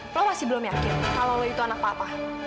kamu masih belum yakin kalau kamu itu anak papa